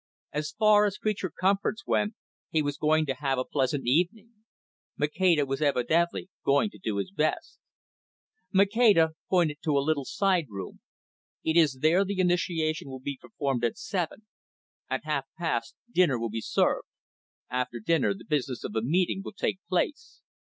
As far as creature comforts went, he was going to have a pleasant evening. Maceda was evidently going to do his best. Maceda pointed to a little side room. "It is there the initiation will be performed at seven. At half past, dinner will be served. After dinner, the business of the meeting will take place.